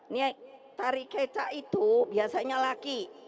niat tari kecak itu biasanya laki